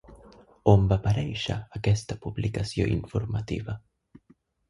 On va aparèixer aquesta publicació informativa?